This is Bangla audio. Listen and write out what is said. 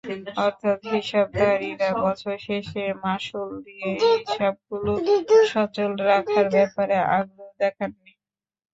অর্থাৎ হিসাবধারীরা বছর শেষে মাশুল দিয়ে হিসাবগুলো সচল রাখার ব্যাপারে আগ্রহ দেখাননি।